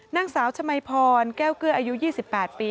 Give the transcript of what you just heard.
นางสาวชมัยพรแก้วเกลืออายุ๒๘ปี